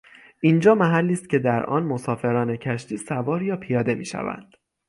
اینجا محلی است که در آن مسافران کشتی سوار یا پیاده میشوند.